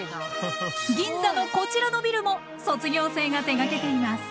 銀座のこちらのビルも卒業生が手がけています。